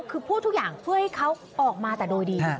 คือพูดทุกอย่างเพื่อให้เขาออกมาแต่โดยดี